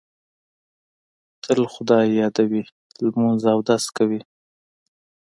تل خدای یادوي، لمونځ اودس کوي.